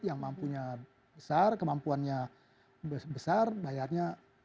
yang mampunya besar kemampuannya besar bayarnya